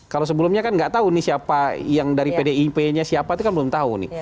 kalau sebelumnya kan nggak tahu nih siapa yang dari pdip nya siapa itu kan belum tahu nih